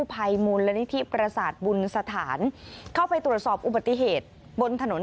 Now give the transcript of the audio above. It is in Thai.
บนถนนสายเครือ